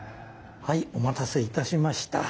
はいお待たせいたしました。